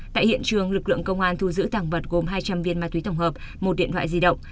tại hiện trường lực lượng công an thu giữ tàng vật gồm hai trăm linh viên ma túy tổng hợp một điện thoại di động